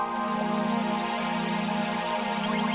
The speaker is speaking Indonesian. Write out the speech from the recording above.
tunggu aku mau ke sana